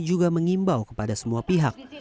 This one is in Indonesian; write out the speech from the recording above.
juga mengimbau kepada semua pihak